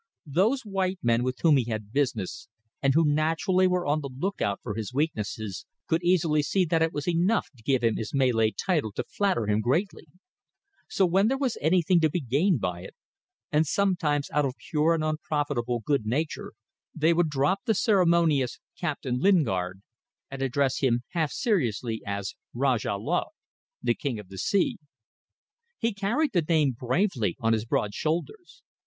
Those white men with whom he had business, and who naturally were on the look out for his weaknesses, could easily see that it was enough to give him his Malay title to flatter him greatly. So when there was anything to be gained by it, and sometimes out of pure and unprofitable good nature, they would drop the ceremonious "Captain Lingard" and address him half seriously as Rajah Laut the King of the Sea. He carried the name bravely on his broad shoulders.